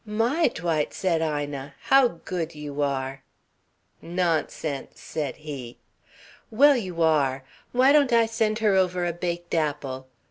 "My, Dwight," said Ina, "how good you are!" "Nonsense!" said he. "Well, you are. Why don't I send her over a baked apple?